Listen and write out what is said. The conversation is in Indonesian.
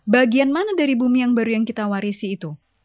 bagian mana dari bumi yang baru yang kita warisi itu